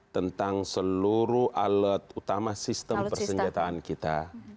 tentang seluruh alat utama sistem persenjataan kita